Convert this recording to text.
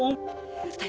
え？